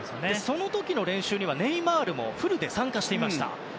その時の練習にはネイマールもフルで参加していました。